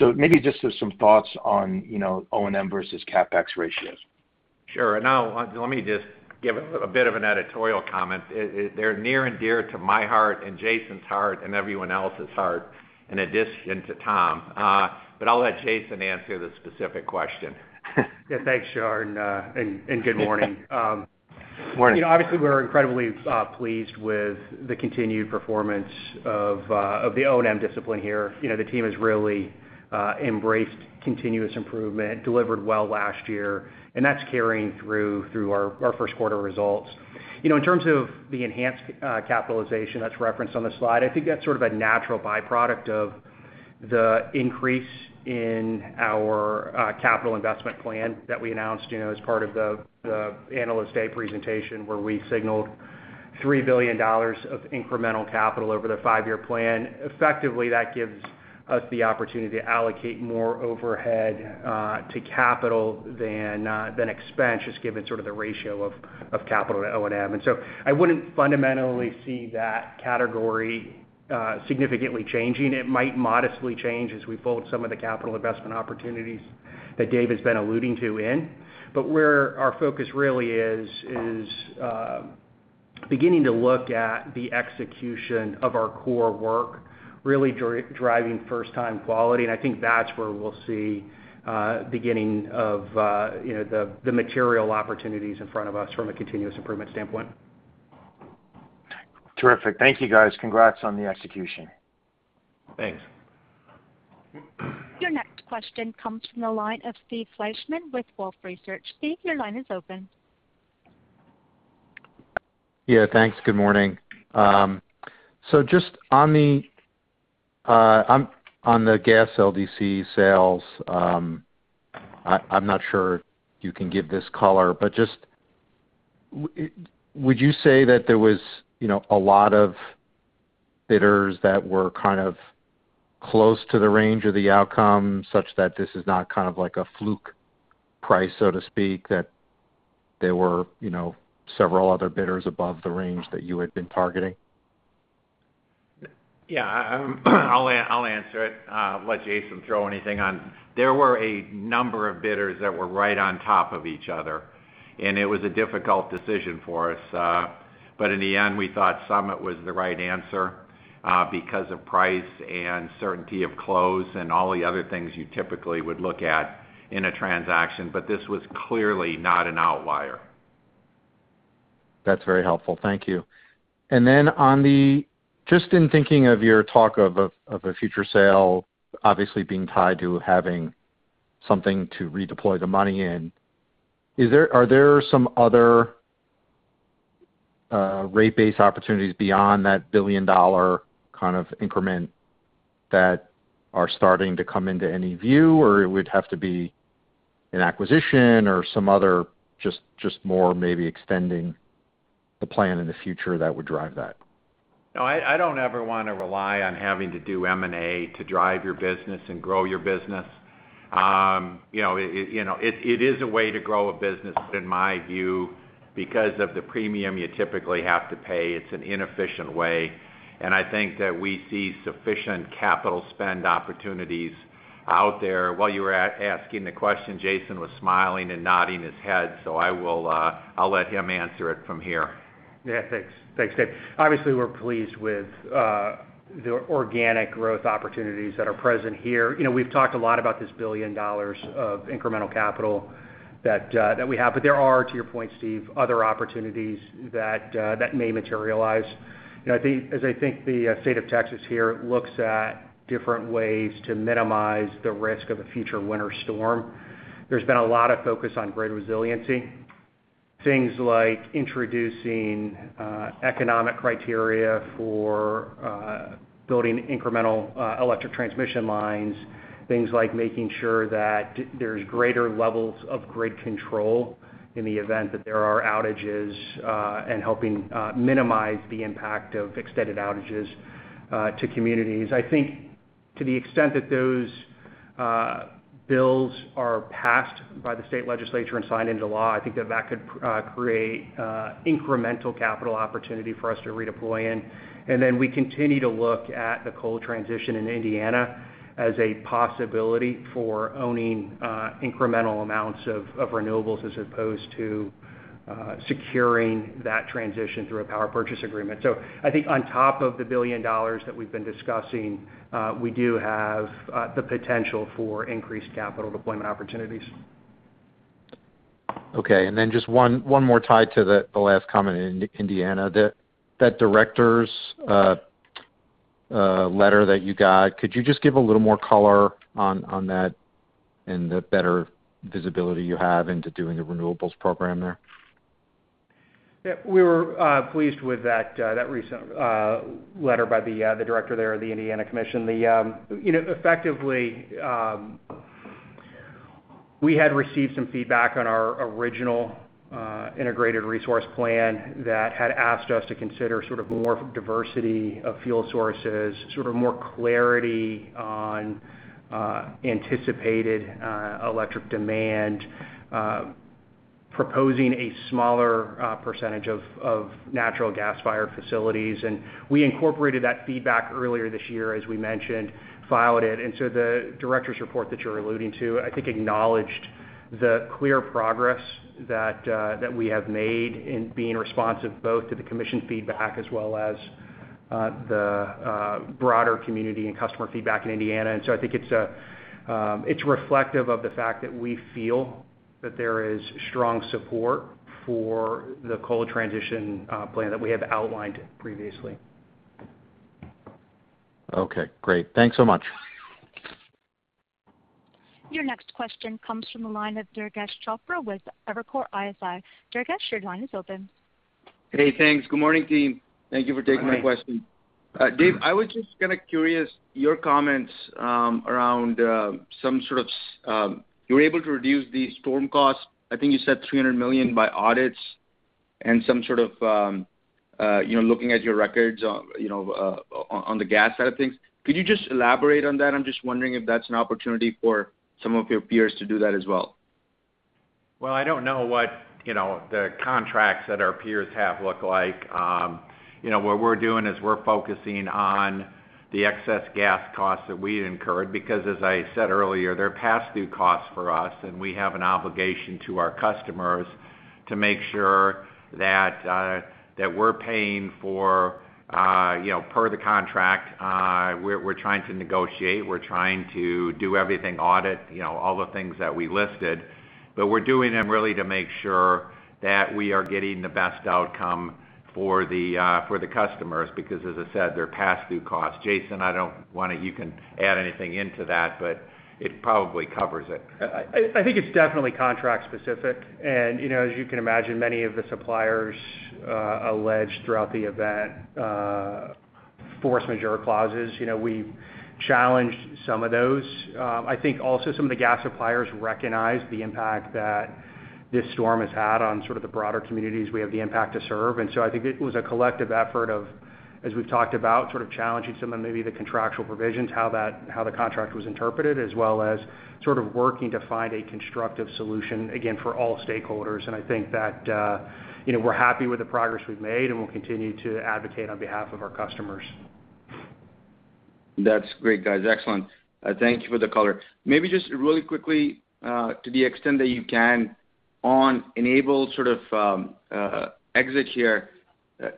Maybe just some thoughts on O&M versus CapEx ratios. Sure. Now, let me just give a bit of an editorial comment. They're near and dear to my heart and Jason's heart and everyone else's heart, in addition to Tom. I'll let Jason answer the specific question. Yeah, thanks, Shar, and good morning. Morning. Obviously, we're incredibly pleased with the continued performance of the O&M discipline here. The team has really embraced continuous improvement, delivered well last year, and that's carrying through our first quarter results. In terms of the enhanced capitalization that's referenced on the slide, I think that's sort of a natural byproduct of the increase in our capital investment plan that we announced as part of the Analyst Day presentation where we signaled $3 billion of incremental capital over the five-year plan. Effectively, that gives us the opportunity to allocate more overhead to capital than expense, just given sort of the ratio of capital to O&M. I wouldn't fundamentally see that category significantly changing. It might modestly change as we fold some of the capital investment opportunities that Dave has been alluding to in. Where our focus really is beginning to look at the execution of our core work, really driving first-time quality, and I think that's where we'll see beginning of the material opportunities in front of us from a continuous improvement standpoint. Terrific. Thank you guys. Congrats on the execution. Thanks. Your next question comes from the line of Steve Fleishman with Wolfe Research. Steve, your line is open. Yeah, thanks. Good morning. Just on the Gas LDC sales, I'm not sure you can give this color, but just would you say that there was a lot of bidders that were kind of close to the range of the outcome, such that this is not kind of like a fluke price, so to speak, that there were several other bidders above the range that you had been targeting? Yeah. I'll answer it, let Jason throw anything on. There were a number of bidders that were right on top of each other, and it was a difficult decision for us. In the end, we thought Summit was the right answer because of price and certainty of close and all the other things you typically would look at in a transaction. This was clearly not an outlier. That's very helpful. Thank you. Then just in thinking of your talk of a future sale, obviously being tied to having something to redeploy the money in, are there some other rate-based opportunities beyond that billion-dollar kind of increment that are starting to come into any view, or it would have to be an acquisition or some other just more maybe extending the plan in the future that would drive that? No, I don't ever want to rely on having to do M&A to drive your business and grow your business. It is a way to grow a business, but in my view, because of the premium you typically have to pay, it's an inefficient way, and I think that we see sufficient capital spend opportunities out there. While you were asking the question, Jason was smiling and nodding his head, so I'll let him answer it from here. Thanks. Obviously, we're pleased with the organic growth opportunities that are present here. We've talked a lot about this $1 billion of incremental capital that we have. There are, to your point, Steve, other opportunities that may materialize. As I think the State of Texas here looks at different ways to minimize the risk of a future winter storm, there's been a lot of focus on grid resiliency. Things like introducing economic criteria for building incremental electric transmission lines, things like making sure that there's greater levels of grid control in the event that there are outages, and helping minimize the impact of extended outages to communities. I think to the extent that those bills are passed by the state legislature and signed into law, I think that that could create incremental capital opportunity for us to redeploy in. And then, we continue to look at the coal transition in Indiana as a possibility for owning incremental amounts of renewables as opposed to securing that transition through a power purchase agreement. I think on top of the $1 billion that we've been discussing, we do have the potential for increased capital deployment opportunities. Okay, just one more tied to the last comment in Indiana. That Director's letter that you got, could you just give a little more color on that and the better visibility you have into doing a renewables program there? We were pleased with that recent letter by the Director there at the Indiana Commission. Effectively, we had received some feedback on our original Integrated Resource Plan that had asked us to consider more diversity of fuel sources, more clarity on anticipated electric demand, proposing a smaller percentage of natural gas-fired facilities. We incorporated that feedback earlier this year, as we mentioned, filed it. The Director's report that you're alluding to, I think, acknowledged the clear progress that we have made in being responsive both to the Commission feedback as well as the broader community and customer feedback in Indiana. I think it's reflective of the fact that we feel that there is strong support for the coal transition plan that we have outlined previously. Okay, great. Thanks so much. Your next question comes from the line of Durgesh Chopra with Evercore ISI. Durgesh, your line is open. Hey, thanks. Good morning, team. Thank you for taking my question. Dave, I was just kind of curious, your comments around you were able to reduce the storm costs, I think you said $300 million by audits and some sort of looking at your records on the gas side of things. Could you just elaborate on that? I'm just wondering if that's an opportunity for some of your peers to do that as well. Well, I don't know what the contracts that our peers have look like. What we're doing is we're focusing on the excess gas costs that we'd incurred, because as I said earlier, they're past due costs for us, and we have an obligation to our customers to make sure that we're paying per the contract. We're trying to negotiate, we're trying to do everything, audit all the things that we listed. We're doing them really to make sure that we are getting the best outcome for the customers, because as I said, they're past due costs. Jason, you can add anything into that, but it probably covers it. I think it's definitely contract specific. As you can imagine, many of the suppliers alleged throughout the event force majeure clauses. We challenged some of those. I think also some of the gas suppliers recognized the impact that this storm has had on sort of the broader communities we have the impact to serve. I think it was a collective effort of, as we've talked about, sort of challenging some of maybe the contractual provisions, how the contract was interpreted, as well as sort of working to find a constructive solution, again, for all stakeholders. I think that we're happy with the progress we've made, and we'll continue to advocate on behalf of our customers. That's great, guys. Excellent. Thank you for the color. Maybe just really quickly, to the extent that you can on Enable sort of exit here,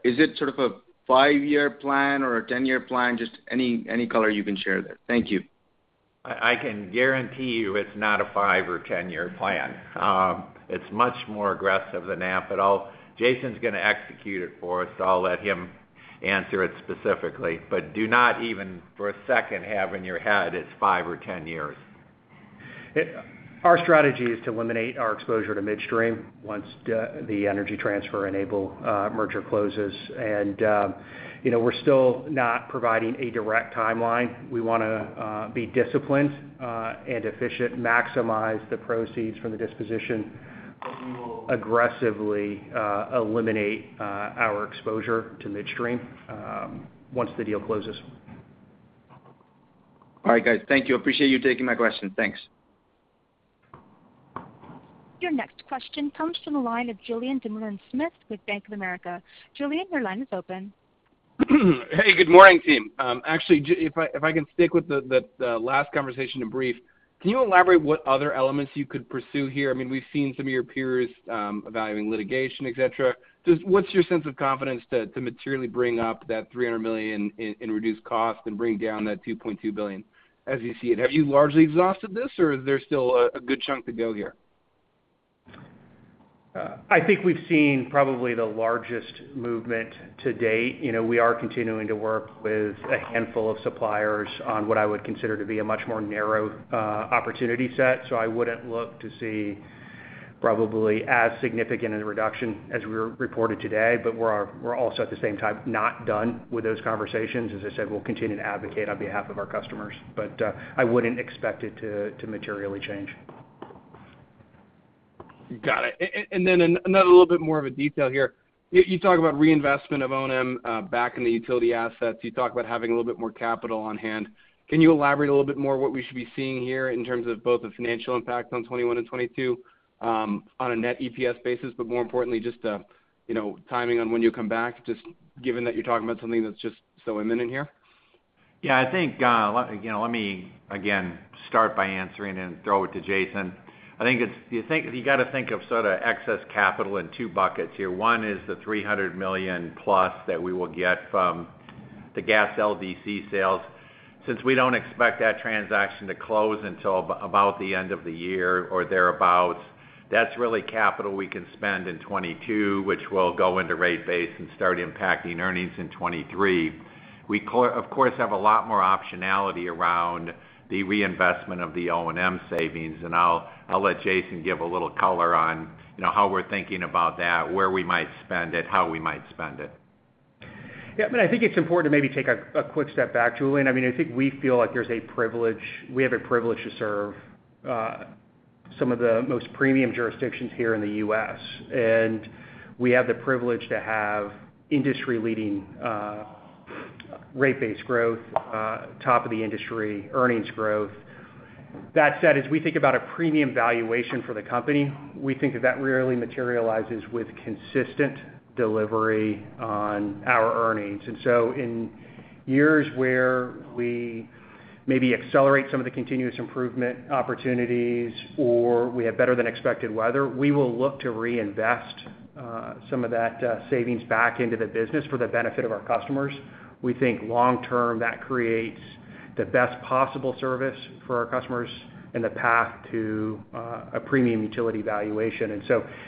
is it sort of a five-year plan or a 10-year plan? Just any color you can share there. Thank you. I can guarantee you it's not a five or 10-year plan. It's much more aggressive than that. Jason's going to execute it for us, so I'll let him answer it specifically. Do not even for a second have in your head it's five or 10 years. Our strategy is to eliminate our exposure to midstream once the Energy Transfer Enable Merger closes. We're still not providing a direct timeline. We want to be disciplined and efficient, maximize the proceeds from the disposition, we will aggressively eliminate our exposure to midstream once the deal closes. All right, guys. Thank you. Appreciate you taking my question. Thanks. Your next question comes from the line of Julien Dumoulin-Smith with Bank of America. Julien, your line is open. Hey, good morning, team. If I can stick with the last conversation in brief, can you elaborate what other elements you could pursue here? We've seen some of your peers evaluating litigation, et cetera. Just what's your sense of confidence to materially bring up that $300 million in reduced cost and bring down that $2.2 billion as you see it? Have you largely exhausted this, or is there still a good chunk to go here? I think we've seen probably the largest movement to date. We are continuing to work with a handful of suppliers on what I would consider to be a much more narrow opportunity set. I wouldn't look to see probably as significant a reduction as we reported today. We're also, at the same time, not done with those conversations. As I said, we'll continue to advocate on behalf of our customers, but I wouldn't expect it to materially change. Got it. Another little bit more of a detail here. You talk about reinvestment of O&M back in the utility assets. You talk about having a little bit more capital on hand. Can you elaborate a little bit more what we should be seeing here in terms of both the financial impact on 2021 and 2022 on a net EPS basis, but more importantly, just the timing on when you'll come back, just given that you're talking about something that's just so imminent here? Yeah. I think, again, let me, again, start by answering and throw it to Jason. I think you got to think of excess capital in two buckets here. One is the $300+ million that we will get from the Gas LDC sales. Since we don't expect that transaction to close until about the end of the year or thereabout, that's really capital we can spend in 2022, which will go into rate base and start impacting earnings in 2023. We, of course, have a lot more optionality around the reinvestment of the O&M savings, and I'll let Jason give a little color on how we're thinking about that, where we might spend it, how we might spend it. Yeah, I think it's important to maybe take a quick step back, Julien. I think we feel like we have a privilege to serve some of the most premium jurisdictions here in the U.S., and we have the privilege to have industry-leading rate base growth, top-of-the-industry earnings growth. That said, as we think about a premium valuation for the company, we think that that really materializes with consistent delivery on our earnings. In years where we maybe accelerate some of the continuous improvement opportunities, or we have better than expected weather, we will look to reinvest some of that savings back into the business for the benefit of our customers. We think long term, that creates the best possible service for our customers and the path to a premium utility valuation.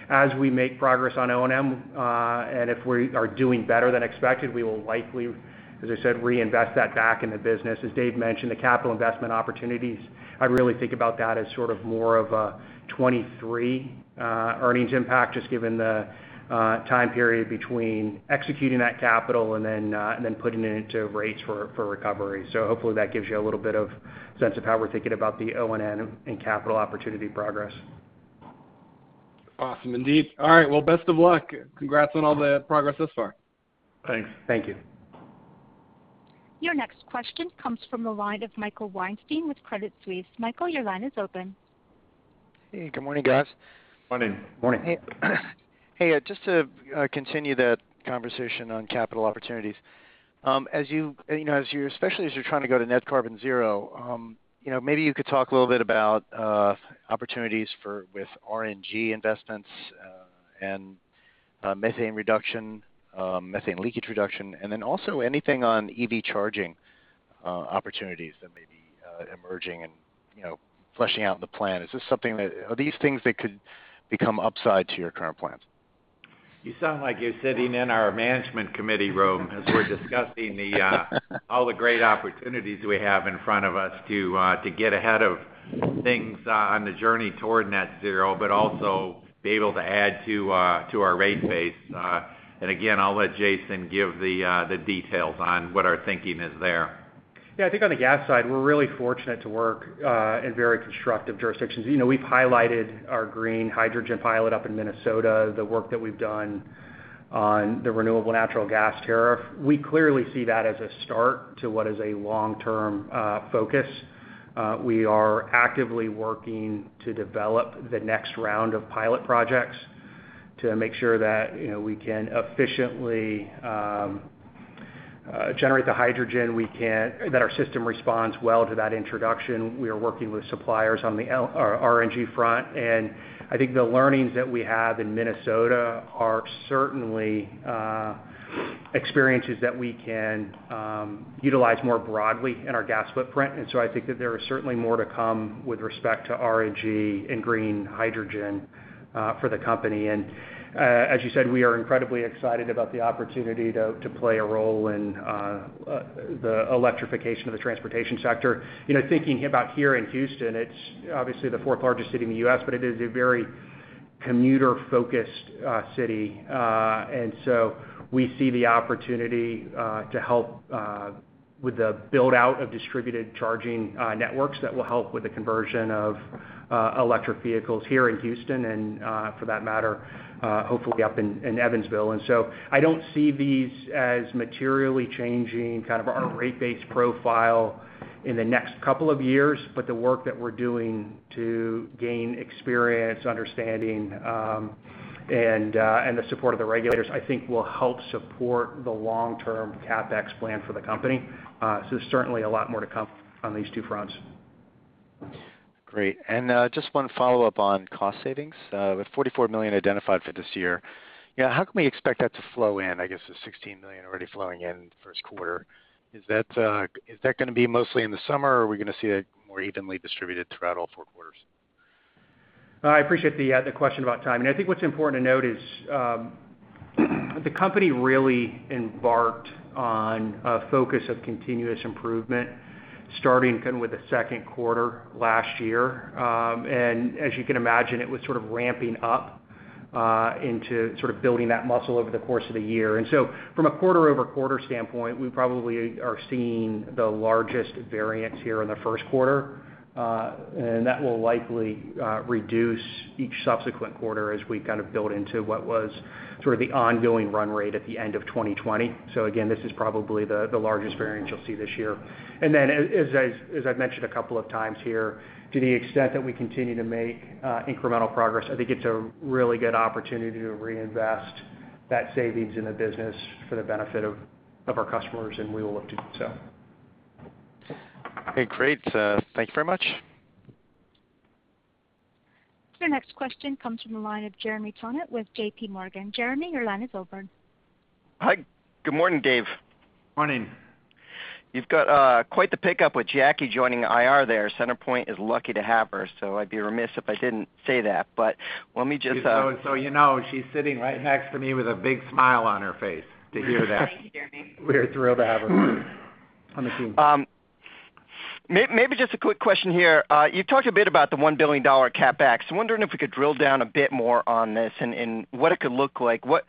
As we make progress on O&M, and if we are doing better than expected, we will likely, as I said, reinvest that back in the business. As Dave mentioned, the capital investment opportunities, I really think about that as sort of more of a 2023 earnings impact, just given the time period between executing that capital and then putting it into rates for recovery. Hopefully that gives you a little bit of sense of how we're thinking about the O&M and capital opportunity progress. Awesome indeed. All right. Well, best of luck. Congrats on all the progress thus far. Thanks. Thank you. Your next question comes from the line of Michael Weinstein with Credit Suisse. Michael, your line is open. Hey, good morning, guys. Morning. Morning. Hey, just to continue that conversation on capital opportunities. Especially as you're trying to go to net carbon zero, maybe you could talk a little bit about opportunities with RNG investments, and methane leakage reduction, and then also anything on EV charging opportunities that may be emerging and fleshing out the plan. Are these things that could become upside to your current plans? You sound like you're sitting in our management committee room as we're discussing all the great opportunities we have in front of us to get ahead of things on the journey toward net zero, but also be able to add to our rate base. Again, I'll let Jason give the details on what our thinking is there. Yeah, I think on the gas side, we're really fortunate to work in very constructive jurisdictions. We've highlighted our green hydrogen pilot up in Minnesota, the work that we've done on the renewable natural gas tariff. We clearly see that as a start to what is a long-term focus. We are actively working to develop the next round of pilot projects to make sure that we can efficiently generate the hydrogen, that our system responds well to that introduction. We are working with suppliers on the RNG front, and I think the learnings that we have in Minnesota are certainly experiences that we can utilize more broadly in our gas footprint. I think that there is certainly more to come with respect to RNG and green hydrogen for the company. As you said, we are incredibly excited about the opportunity to play a role in the electrification of the transportation sector. Thinking about here in Houston, it's obviously the fourth largest city in the U.S., but it is a very commuter-focused city. We see the opportunity to help with the build-out of distributed charging networks that will help with the conversion of electric vehicles here in Houston, and for that matter, hopefully up in Evansville. I don't see these as materially changing our rate base profile in the next couple of years, but the work that we're doing to gain experience, understanding, and the support of the regulators, I think will help support the long-term CapEx plan for the company. There's certainly a lot more to come on these two fronts. Great. Just one follow-up on cost savings. With $44 million identified for this year, how can we expect that to flow in? I guess there's $16 million already flowing in the first quarter. Is that going to be mostly in the summer, or are we going to see it more evenly distributed throughout all four quarters? I appreciate the question about timing. I think what's important to note is the company really embarked on a focus of continuous improvement starting with the second quarter last year. As you can imagine, it was sort of ramping up into building that muscle over the course of the year. From a quarter-over-quarter standpoint, we probably are seeing the largest variance here in the first quarter. That will likely reduce each subsequent quarter as we build into what was the ongoing run rate at the end of 2020. Again, this is probably the largest variance you'll see this year. As I've mentioned a couple of times here, to the extent that we continue to make incremental progress, I think it's a really good opportunity to reinvest that savings in the business for the benefit of our customers, and we will look to do so. Okay, great. Thank you very much. Your next question comes from the line of Jeremy Tonet with JPMorgan. Jeremy, your line is open. Hi. Good morning, Dave. Morning. You've got quite the pickup with Jackie joining IR there. CenterPoint is lucky to have her, so I'd be remiss if I didn't say that. You know, she's sitting right next to me with a big smile on her face to hear that. Thank you, Jeremy. We are thrilled to have her on the team. Maybe just a quick question here. You talked a bit about the $1 billion CapEx. I'm wondering if we could drill down a bit more on this and what it could look like. What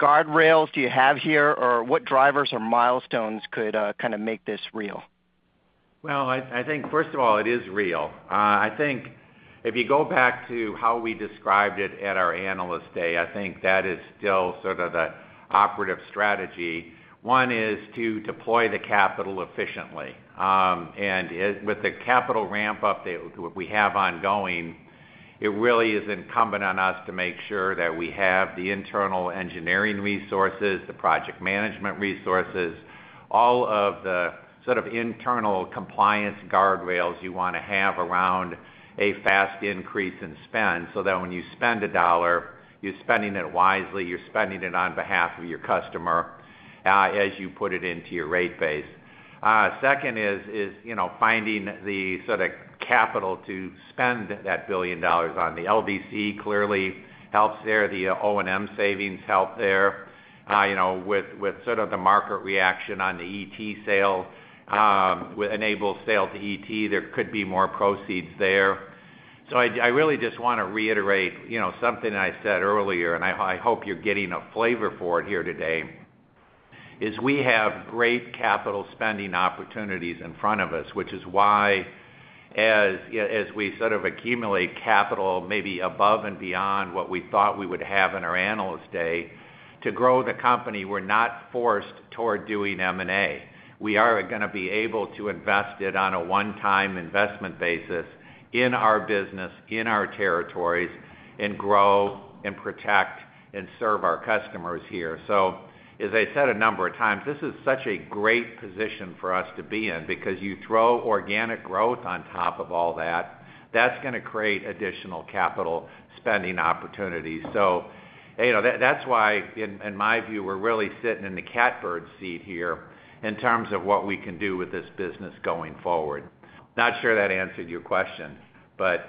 guardrails do you have here, or what drivers or milestones could kind of make this real? Well, I think, first of all, it is real. I think if you go back to how we described it at our Analyst Day, I think that is still sort of the operative strategy. One is to deploy the capital efficiently. With the capital ramp-up that we have ongoing, it really is incumbent on us to make sure that we have the internal engineering resources, the project management resources, all of the internal compliance guardrails you want to have around a fast increase in spend, so that when you spend $1, you're spending it wisely, you're spending it on behalf of your customer as you put it into your rate base. Second is finding the capital to spend that $1 billion on. The LDC clearly helps there. The O&M savings help there. With the market reaction on the ET sale, Enable sale to ET, there could be more proceeds there. I really just want to reiterate something I said earlier, and I hope you're getting a flavor for it here today, is we have great capital spending opportunities in front of us, which is why, as we accumulate capital, maybe above and beyond what we thought we would have in our Analyst Day, to grow the company, we're not forced toward doing M&A. We are going to be able to invest it on a one-time investment basis in our business, in our territories, and grow and protect and serve our customers here. As I said a number of times, this is such a great position for us to be in because you throw organic growth on top of all that's going to create additional capital spending opportunities. So, you know, that's why, in my view, we're really sitting in the catbird seat here in terms of what we can do with this business going forward. Not sure that answered your question. But.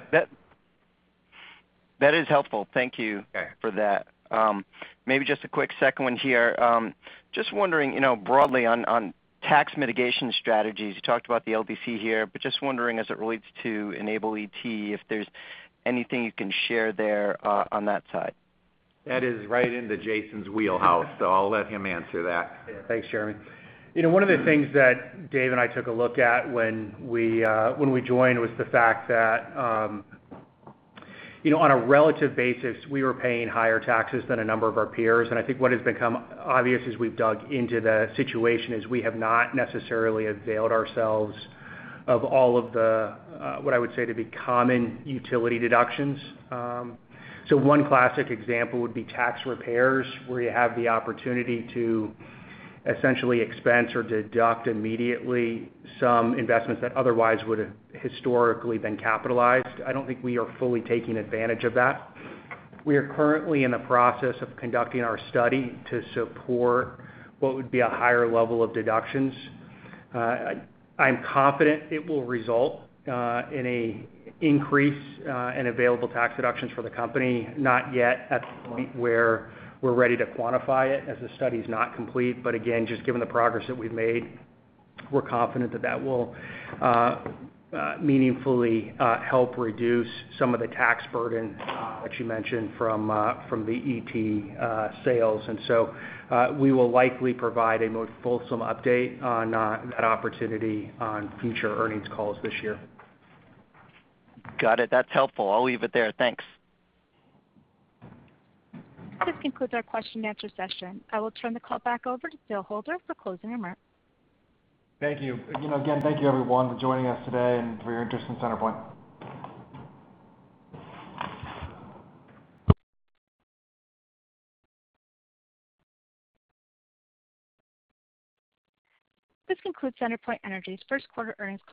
That is helpful. Thank you. Okay. For that. Maybe just a quick second one here. Just wondering, broadly on tax mitigation strategies, you talked about the LDC here, but just wondering as it relates to Enable ET, if there's anything you can share there on that side. That is right into Jason's wheelhouse, so I'll let him answer that. Thanks, Jeremy. One of the things that Dave and I took a look at when we joined was the fact that on a relative basis, we were paying higher taxes than a number of our peers. I think what has become obvious as we've dug into the situation is we have not necessarily availed ourselves of all of the, what I would say to be common utility deductions. One classic example would be tax repairs, where you have the opportunity to essentially expense or deduct immediately some investments that otherwise would have historically been capitalized. I don't think we are fully taking advantage of that. We are currently in the process of conducting our study to support what would be a higher level of deductions. I'm confident it will result in an increase in available tax deductions for the company. Not yet at the point where we're ready to quantify it as the study's not complete. Again, just given the progress that we've made, we're confident that that will meaningfully help reduce some of the tax burden that you mentioned from the ET sales. We will likely provide a more fulsome update on that opportunity on future earnings calls this year. Got it. That's helpful. I'll leave it there. Thanks. This concludes our question and answer session. I will turn the call back over to Philip Holder for closing remarks. Thank you. Again, thank you everyone for joining us today and for your interest in CenterPoint Energy. This concludes CenterPoint Energy's first quarter earnings call.